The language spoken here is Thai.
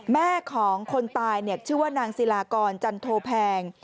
แม่ของคนตายชื่อว่านางศิลากรจันโทแพง